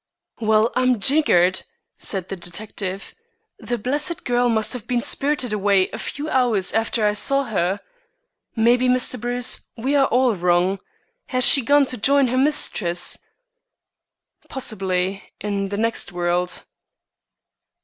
"Well, I'm jiggered!" said the detective. "The blessed girl must have been spirited away a few hours after I saw her. Maybe, Mr. Bruce, we are all wrong. Has she gone to join her mistress?" "Possibly in the next world."